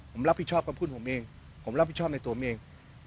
ผมรับผิดชอบกับเพื่อนผมเองผมรับผิดชอบในตัวผมเอง